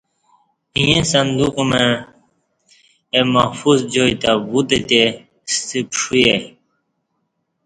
ییں صندوق مع اہ محفوظ جائی تہ وُتہتئے ستہ پݜوئے